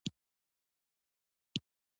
ایا زه باید سره مرچ وخورم؟